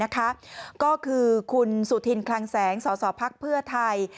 ก็คือคุณสุธินคลังแสงสสพไทย